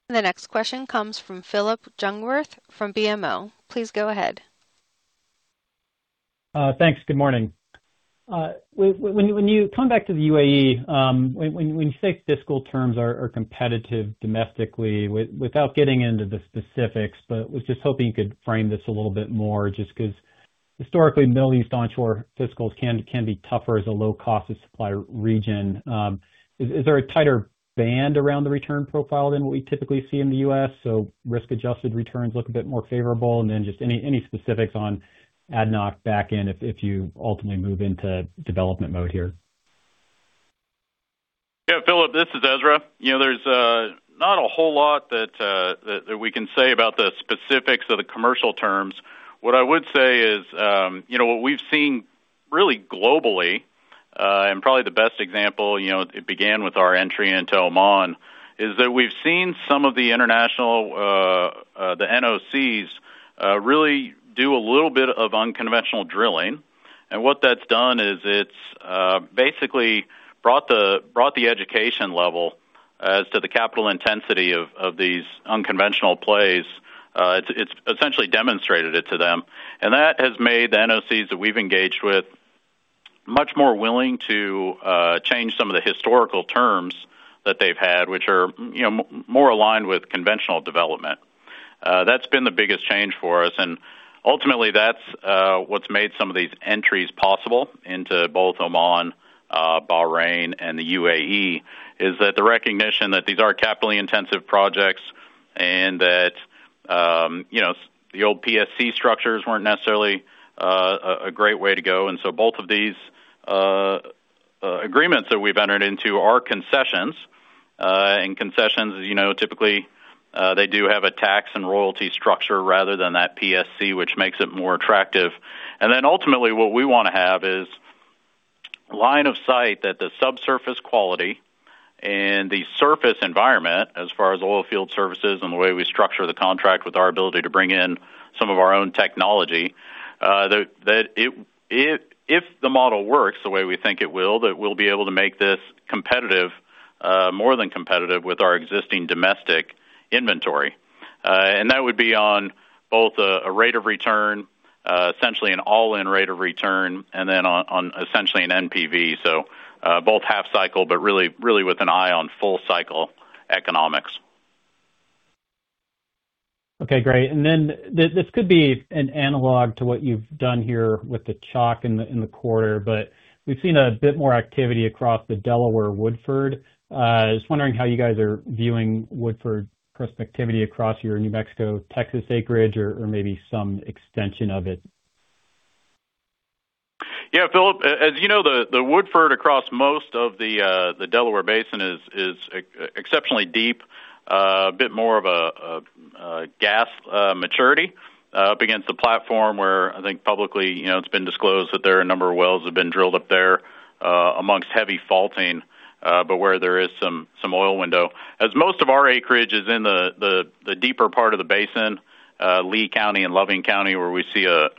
The next question comes from Phillip Jungwirth from BMO Capital Markets. Please go ahead. Thanks. Good morning. When you come back to the UAE, when you say fiscal terms are competitive domestically, without getting into the specifics, but was just hoping you could frame this a little bit more just because Historically, Middle East onshore fiscals can be tougher as a low cost of supply region. Is there a tighter band around the return profile than what we typically see in the U.S., so risk-adjusted returns look a bit more favorable? Just any specifics on ADNOC back-end if you ultimately move into development mode here? Yeah, Phillip, this is Ezra. There's not a whole lot that we can say about the specifics of the commercial terms. What I would say is, what we've seen really globally, and probably the best example, it began with our entry into Oman, is that we've seen some of the international, the NOCs really do a little bit of unconventional drilling. What that's done is it's basically brought the education level as to the capital intensity of these unconventional plays. It's essentially demonstrated it to them. That has made the NOCs that we've engaged with much more willing to change some of the historical terms that they've had, which are more aligned with conventional development. That's been the biggest change for us. Ultimately, that's what's made some of these entries possible into both Oman, Bahrain, and the UAE, is that the recognition that these are capitally intensive projects and that the old PSC structures weren't necessarily a great way to go. So both of these agreements that we've entered into are concessions. Concessions, typically, they do have a tax and royalty structure rather than that PSC, which makes it more attractive. Then ultimately what we want to have is line of sight that the subsurface quality and the surface environment, as far as oil field services and the way we structure the contract with our ability to bring in some of our own technology, that if the model works the way we think it will, that we'll be able to make this more than competitive with our existing domestic inventory. That would be on both a rate of return, essentially an all-in rate of return, and then on essentially an NPV. Both half cycle, but really with an eye on full cycle economics. Okay, great. Then this could be an analog to what you've done here with the chalk in the quarter, but we've seen a bit more activity across the Delaware Woodford. I was wondering how you guys are viewing Woodford prospectivity across your New Mexico, Texas acreage or maybe some extension of it. Yeah, Phillip, as you know, the Woodford across most of the Delaware Basin is exceptionally deep, a bit more of a gas maturity up against the platform where I think publicly it's been disclosed that there are a number of wells have been drilled up there amongst heavy faulting, but where there is some oil window. As most of our acreage is in the deeper part of the basin, Lea County and Loving County, where we see a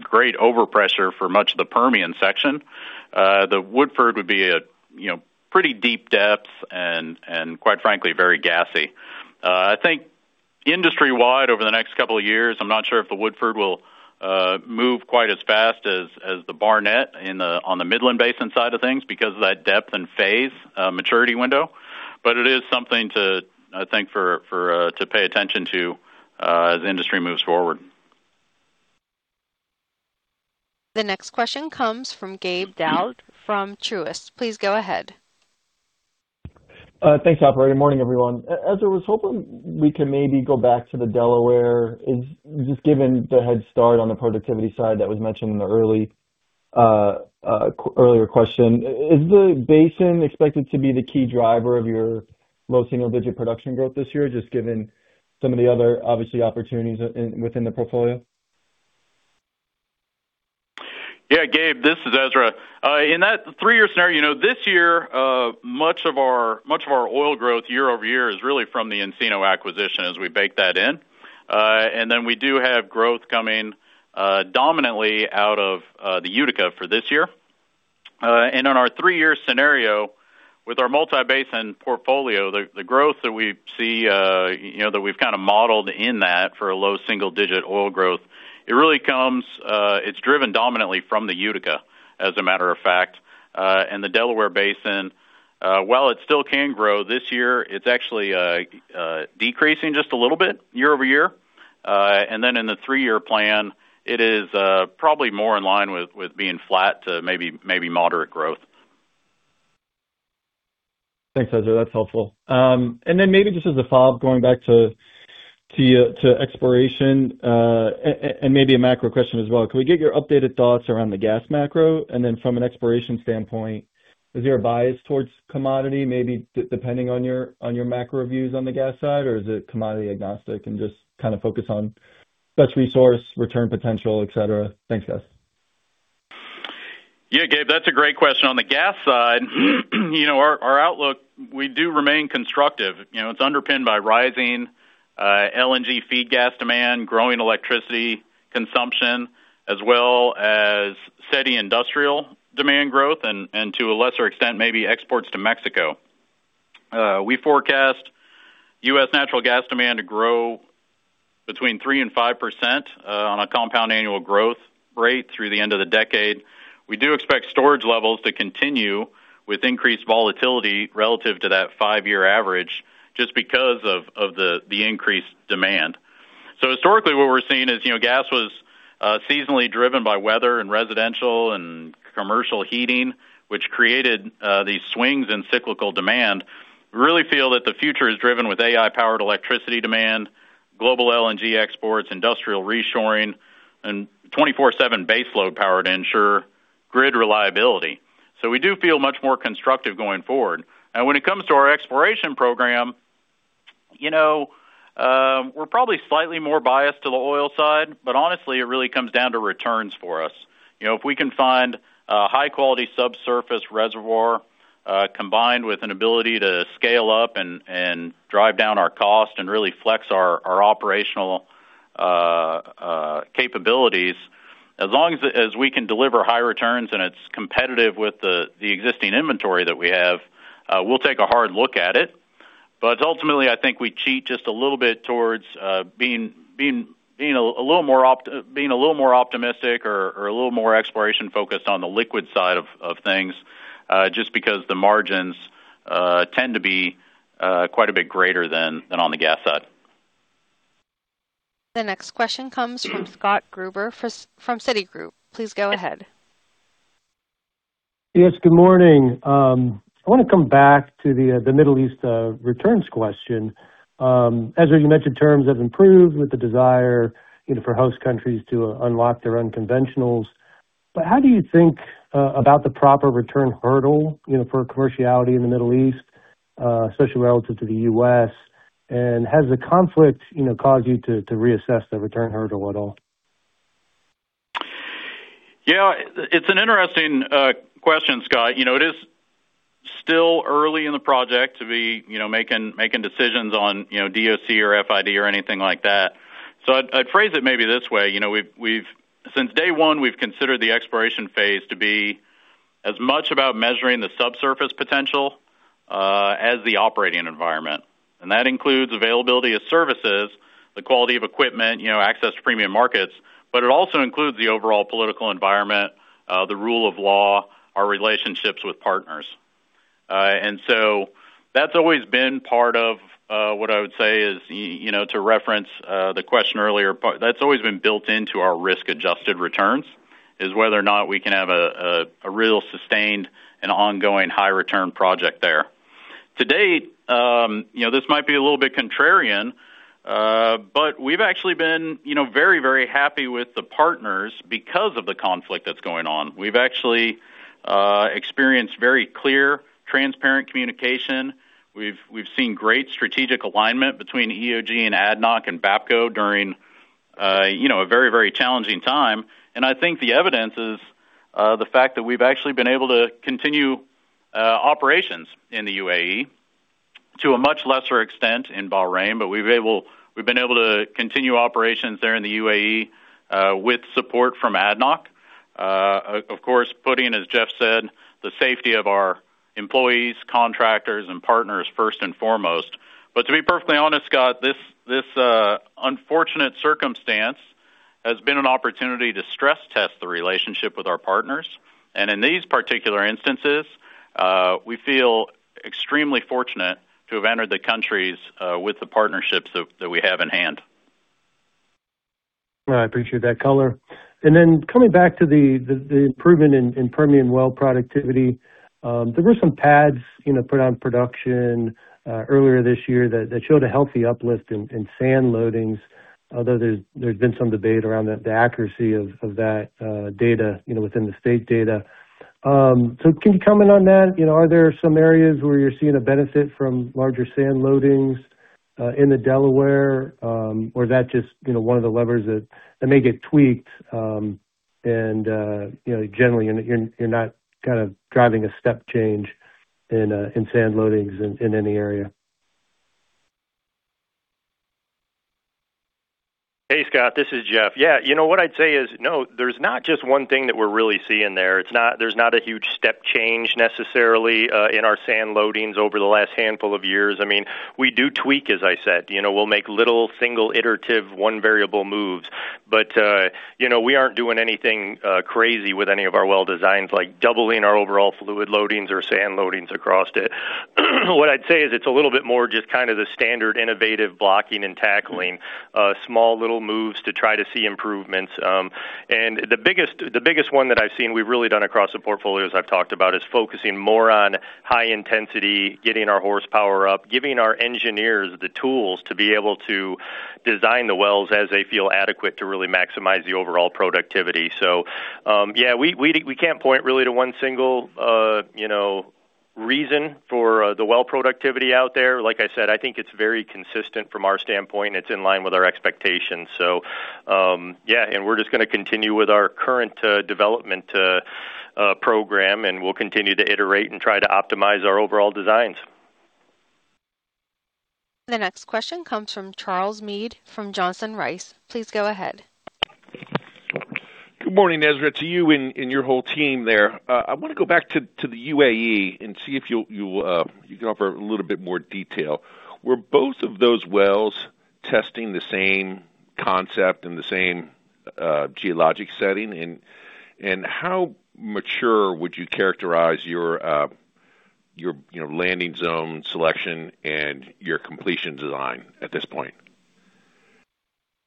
great overpressure for much of the Permian section. The Woodford would be at pretty deep depths and quite frankly, very gassy. I think industry-wide over the next couple of years, I'm not sure if the Woodford will move quite as fast as the Barnett on the Midland Basin side of things because of that depth and phase maturity window. It is something to, I think, to pay attention to as the industry moves forward. The next question comes from Gabe Daoud from Truist Securities. Please go ahead. Thanks, operator. Good morning, everyone. Ezra, I was hoping we can maybe go back to the Delaware. Just given the headstart on the productivity side that was mentioned in the earlier question, is the basin expected to be the key driver of your low single-digit production growth this year, just given some of the other obviously opportunities within the portfolio? Yeah, Gabe, this is Ezra. In that three-year scenario, this year much of our oil growth year-over-year is really from the Encino acquisition as we bake that in. We do have growth coming dominantly out of the Utica for this year. In our three-year scenario with our multi-basin portfolio, the growth that we see, that we've kind of modeled in that for a low single-digit oil growth, it's driven dominantly from the Utica, as a matter of fact. The Delaware Basin, while it still can grow this year, it's actually decreasing just a little bit year-over-year. In the three-year plan, it is probably more in line with being flat to maybe moderate growth. Thanks, Ezra. That's helpful. Maybe just as a follow-up, going back to exploration, and maybe a macro question as well. Can we get your updated thoughts around the gas macro? From an exploration standpoint, is there a bias towards commodity, maybe depending on your macro views on the gas side, or is it commodity-agnostic and just kind of focus on such resource return potential, et cetera? Thanks, guys. Yeah, Gabe, that's a great question. On the gas side our outlook, we do remain constructive. It's underpinned by rising LNG feed gas demand, growing electricity consumption, as well as steady industrial demand growth, and to a lesser extent, maybe exports to Mexico. We forecast U.S. natural gas demand to grow between 3% and 5% on a compound annual growth rate through the end of the decade. We do expect storage levels to continue with increased volatility relative to that five-year average. Just because of the increased demand. Historically, what we're seeing is gas was seasonally driven by weather and residential and commercial heating, which created these swings in cyclical demand. We really feel that the future is driven with AI-powered electricity demand, global LNG exports, industrial reshoring, and 24/7 base load power to ensure grid reliability. We do feel much more constructive going forward. When it comes to our exploration program, we're probably slightly more biased to the oil side, but honestly, it really comes down to returns for us. If we can find a high-quality subsurface reservoir, combined with an ability to scale up and drive down our cost and really flex our operational capabilities, as long as we can deliver high returns and it's competitive with the existing inventory that we have, we'll take a hard look at it. Ultimately, I think we cheat just a little bit towards being a little more optimistic or a little more exploration-focused on the liquid side of things, just because the margins tend to be quite a bit greater than on the gas side. The next question comes from Scott Gruber from Citigroup. Please go ahead. Yes, good morning. I want to come back to the Middle East returns question. Ezra, you mentioned terms have improved with the desire for host countries to unlock their unconventionals. How do you think about the proper return hurdle for commerciality in the Middle East, especially relative to the U.S.? Has the conflict caused you to reassess the return hurdle at all? Yeah. It's an interesting question, Scott. It is still early in the project to be making decisions on DOC or FID or anything like that. I'd phrase it maybe this way. Since day one, we've considered the exploration phase to be as much about measuring the subsurface potential as the operating environment. That includes availability of services, the quality of equipment, access to premium markets, it also includes the overall political environment, the rule of law, our relationships with partners. That's always been part of what I would say is, to reference the question earlier, that's always been built into our risk-adjusted returns, is whether or not we can have a real, sustained, and ongoing high-return project there. To date, this might be a little bit contrarian, we've actually been very happy with the partners because of the conflict that's going on. We've actually experienced very clear, transparent communication. We've seen great strategic alignment between EOG and ADNOC and Bapco during a very challenging time. I think the evidence is the fact that we've actually been able to continue operations in the U.A.E. to a much lesser extent in Bahrain. We've been able to continue operations there in the U.A.E., with support from ADNOC. Of course, putting, as Jeff said, the safety of our employees, contractors, and partners first and foremost. To be perfectly honest, Scott, this unfortunate circumstance has been an opportunity to stress-test the relationship with our partners. In these particular instances, we feel extremely fortunate to have entered the countries with the partnerships that we have in hand. I appreciate that color. Coming back to the improvement in Permian well productivity. There were some pads put on production earlier this year that showed a healthy uplift in sand loadings, although there's been some debate around the accuracy of that data within the state data. Can you comment on that? Are there some areas where you're seeing a benefit from larger sand loadings in the Delaware? Or is that just one of the levers that may get tweaked, and generally, you're not kind of driving a step change in sand loadings in any area. Hey, Scott. This is Jeff. Yeah. What I'd say is, no, there's not just one thing that we're really seeing there. There's not a huge step change necessarily in our sand loadings over the last handful of years. We do tweak, as I said. We'll make little single iterative one variable moves. We aren't doing anything crazy with any of our well designs, like doubling our overall fluid loadings or sand loadings across it. What I'd say is it's a little bit more just kind of the standard innovative blocking and tackling, small little moves to try to see improvements. The biggest one that I've seen we've really done across the portfolio, as I've talked about, is focusing more on high intensity, getting our horsepower up, giving our engineers the tools to be able to design the wells as they feel adequate to really maximize the overall productivity. Yeah, we can't point really to one single reason for the well productivity out there. Like I said, I think it's very consistent from our standpoint. It's in line with our expectations. Yeah. We're just going to continue with our current development program, and we'll continue to iterate and try to optimize our overall designs. The next question comes from Charles Meade from Johnson Rice. Please go ahead. Good morning, Ezra, to you and your whole team there. I want to go back to the UAE and see if you can offer a little bit more detail. Were both of those wells testing the same concept and the same geologic setting? How mature would you characterize your landing zone selection and your completion design at this point?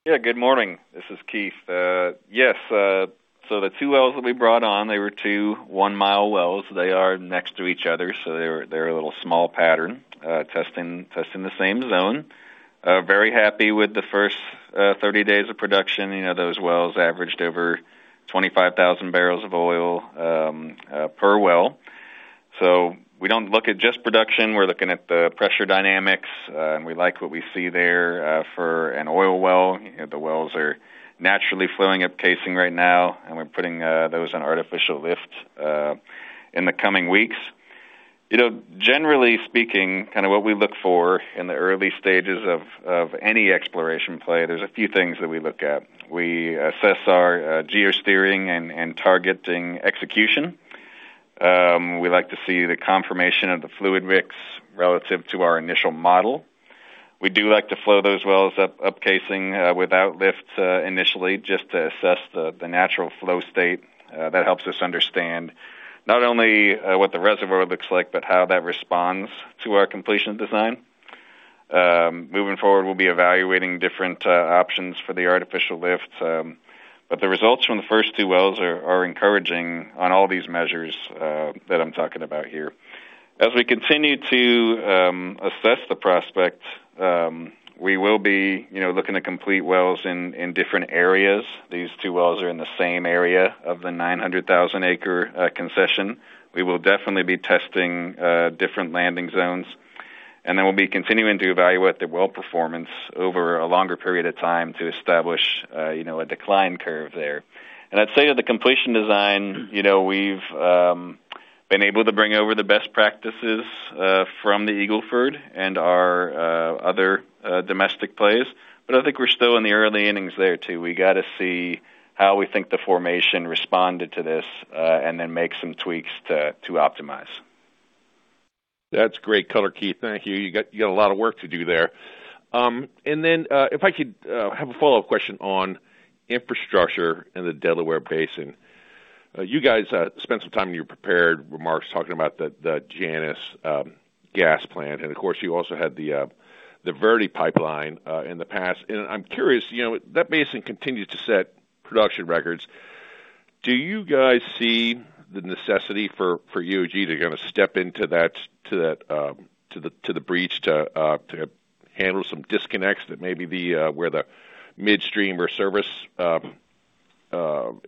Yeah, good morning. This is Keith. Yes. The two wells that we brought on, they were two 1-mi wells. They are next to each other, so they're a little small pattern, testing the same zone. Very happy with the first 30 days of production. Those wells averaged over 25,000 barrels of oil per well. We don't look at just production. We're looking at the pressure dynamics, and we like what we see there for an oil well. The wells are naturally flowing up casing right now, and we're putting those on artificial lift in the coming weeks. Generally speaking, what we look for in the early stages of any exploration play, there's a few things that we look at. We assess our geosteering and targeting execution. We like to see the confirmation of the fluid mix relative to our initial model. We do like to flow those wells up casing without lift initially just to assess the natural flow state. That helps us understand not only what the reservoir looks like, but how that responds to our completion design. Moving forward, we'll be evaluating different options for the artificial lift. The results from the first two wells are encouraging on all these measures that I'm talking about here. As we continue to assess the prospect, we will be looking to complete wells in different areas. These two wells are in the same area of the 900,000 acre concession. We will definitely be testing different landing zones, we'll be continuing to evaluate the well performance over a longer period of time to establish a decline curve there. I'd say that the completion design, we've been able to bring over the best practices from the Eagle Ford and our other domestic plays. I think we're still in the early innings there too. We got to see how we think the formation responded to this, make some tweaks to optimize. That's great color, Keith. Thank you. You got a lot of work to do there. If I could have a follow-up question on infrastructure in the Delaware Basin. You guys spent some time in your prepared remarks talking about the Janus gas plant, and of course, you also had the Verde pipeline in the past. I'm curious, that basin continues to set production records. Do you guys see the necessity for EOG to kind of step into the breach to handle some disconnects that may be where the midstream or service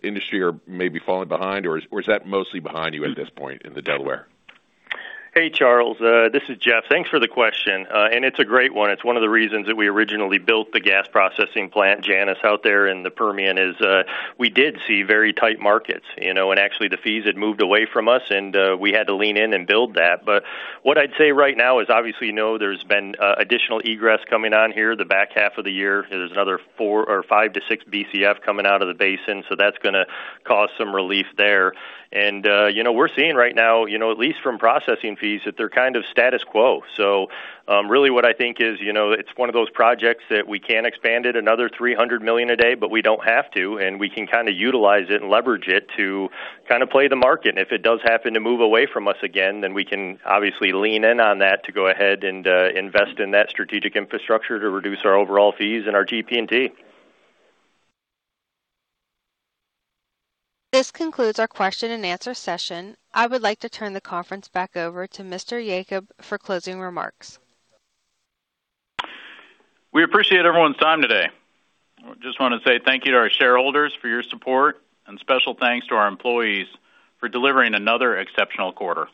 industry are maybe falling behind, or is that mostly behind you at this point in the Delaware? Hey, Charles. This is Jeff. Thanks for the question. It's a great one. It's one of the reasons that we originally built the gas processing plant, Janus, out there in the Permian, is we did see very tight markets. Actually, the fees had moved away from us, and we had to lean in and build that. What I'd say right now is obviously, there's been additional egress coming on here the back half of the year. There's another four or five to six BCF coming out of the basin, that's going to cause some relief there. We're seeing right now, at least from processing fees, that they're kind of status quo. Really what I think is it's one of those projects that we can expand it another 300 million a day, we don't have to, and we can utilize it and leverage it to play the market. If it does happen to move away from us again, we can obviously lean in on that to go ahead and invest in that strategic infrastructure to reduce our overall fees and our GP&T. This concludes our question and answer session. I would like to turn the conference back over to Mr. Yacob for closing remarks. We appreciate everyone's time today. Just want to say thank you to our shareholders for your support, and special thanks to our employees for delivering another exceptional quarter.